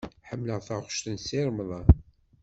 Ḥemmleɣ taɣect n Si Remḍan.